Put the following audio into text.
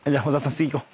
次いこう。